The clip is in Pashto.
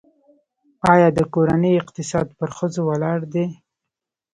آیا د کورنۍ اقتصاد پر ښځو ولاړ دی؟